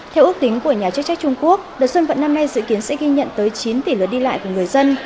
theo ước tính của nhà chức trách trung quốc đợt xuân vận năm nay dự kiến sẽ ghi nhận tới chín tỷ lượt đi lại của người dân